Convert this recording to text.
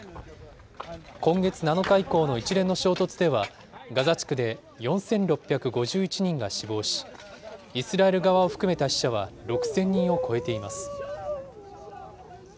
今月７日以降の一連の衝突では、ガザ地区で４６５１人が死亡し、イスラエル側を含めた死者は６０００人を超えています。